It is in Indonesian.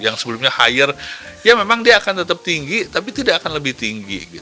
yang sebelumnya hire ya memang dia akan tetap tinggi tapi tidak akan lebih tinggi